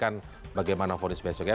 kita nantikan bagaimana vonis besok ya